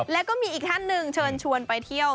แล้วก็มีอีกท่านหนึ่งเชิญชวนไปเที่ยว